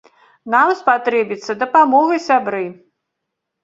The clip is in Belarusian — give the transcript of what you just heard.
Нам спатрэбіцца дапамога, сябры.